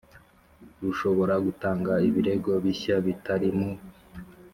rushobora gutanga ibirego bishya bitari mu